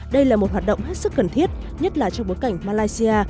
đây là một hoạt động hết sức cần thiết nhất là trong bối cảnh malaysia